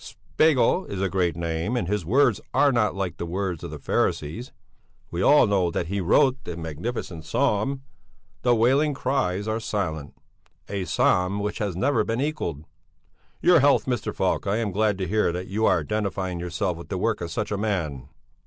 "Spegel is a great name, and his words are not like the words of the Pharisees. We all know that he wrote the magnificent psalm, 'The wailing cries are silent,' a psalm which has never been equalled. Your health, Mr. Falk! I am glad to hear that you are identifying yourself with the work of such a man."